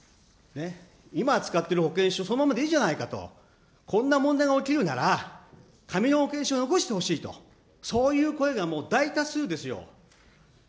今、使っている保険証、そのままでいいじゃないかと、こんな問題が起きるなら、紙の保険証残してほしいと、そういう声がもう大多数ですよ。